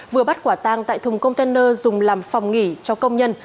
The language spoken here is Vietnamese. vừa bắt quả tang tại thùng container dùng làm phòng nghỉ cho công nhân